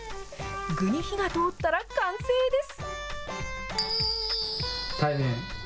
具に火が通ったら完成です。